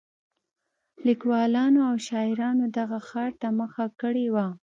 لیکوالانو او شاعرانو دغه ښار ته مخه کړې وه.